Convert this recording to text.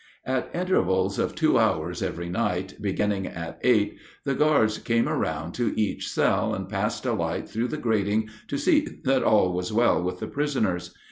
At intervals of two hours every night, beginning at eight, the guards came around to each cell and passed a light through the grating to see that all was well with the prisoners.